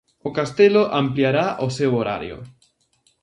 O castelo ampliará o seu horario.